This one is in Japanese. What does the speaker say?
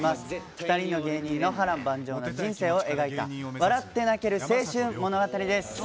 ２人の芸人の波乱万丈の人生を描いた、笑って泣ける青春物語です。